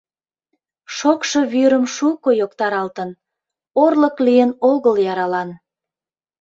Шокшо вӱрым шуко йоктаралтын, Орлык лийын огыл яралан.